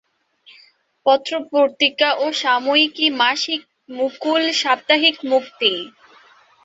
পত্র-পত্রিকা ও সাময়িকী মাসিক মুকুল, সাপ্তাহিক মুক্তি।